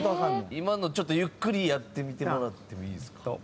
今のちょっとゆっくりやってみてもらってもいいですか？